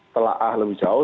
telah ah lebih jauh